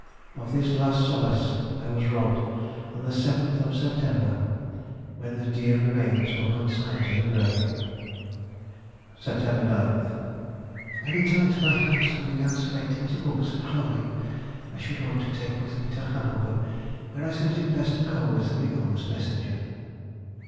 Of this last solace I was robbed on the 7th September, when the dear remains were consigned to the grave. [Sidenote: 1822. Departure from England.] Sept. 9th.—I returned to my house and began selecting the books and clothing I should want to take with me to Hanover, where I thought it best to go with the Michaelmas messenger.